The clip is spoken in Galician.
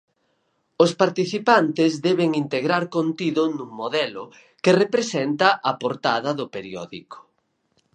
Os participantes deben integrar contido nun modelo, que representa a portada do periódico.